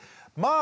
あ